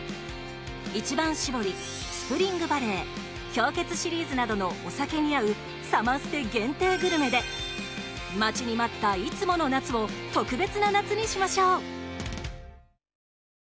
一番搾り、スプリングバレー氷結シリーズなどのお酒に合うサマステ限定グルメで待ちに待ったいつもの夏を特別な夏にしましょう。